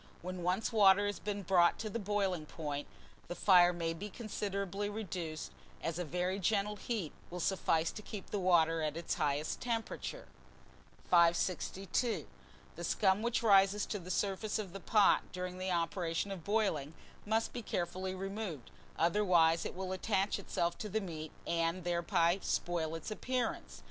When once water has been brought to the boiling point, the fire may be considerably reduced, as a very gentle heat will suffice to keep the water at its highest temperature. 562. THE SCUM WHICH RISES to the surface of the pot during the operation of boiling must be carefully removed, otherwise it will attach itself to the meat, and thereby spoil its appearance.